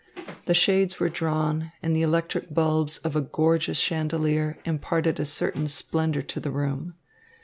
The shades were drawn, and the electric bulbs of a gorgeous chandelier imparted a certain splendour to the room.